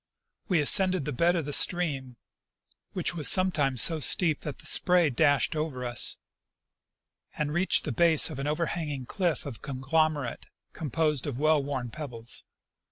We ascended the bed of the stream, which was sometimes so steep that the sjDray dashed over us, and reached the base of an overhanging cliff of conglomerate com posed of well worn pebbles.